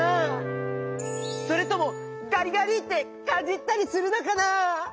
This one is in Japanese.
それともガリガリってかじったりするのかな？